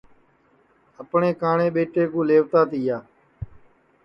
اپٹؔے کاٹؔے ٻیٹے کُو لئیوتا تیا یا اپٹؔے ائبی ٻیٹے کے نتر ٻو بند کری دؔیا